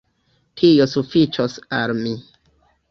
Tio sufiĉos al mi.